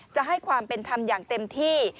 จะให้ความเป็นธรรมอย่างเต็มที่